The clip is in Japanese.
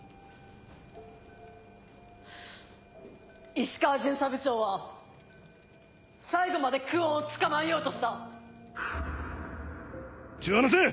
石川巡査部長は最後まで久遠を捕まえようとした。